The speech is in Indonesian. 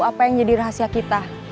apa yang jadi rahasia kita